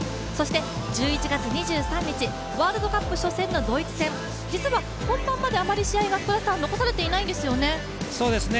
そして、１１月２３日ワールドカップ初戦がドイツ戦実は本番まであまり試合が残されていないんですよね。